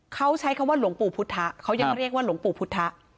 เขาใช้คำว่าหลวงปู่พุทธะเขายังเรียกว่าหลวงปู่พุทธะ